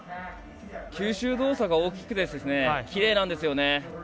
吸収動作が大きくてきれいなんですよね。